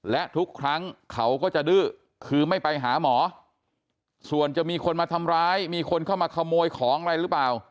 และทุกครั้งเขาก็จะดื้อคือไม่ไปหาหมอส่วนจะมีคนมาทำร้ายมีคนเข้ามาขโมยของอะไรหรือเปล่า